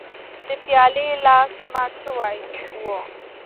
د پیالې لاس مات شوی و.